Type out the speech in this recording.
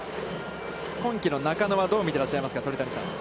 今季の中野はどう見てらっしゃいますか。